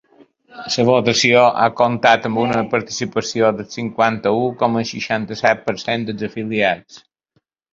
La votació ha comptat amb una participació del cinquanta-u coma seixanta-set per cent dels afiliats.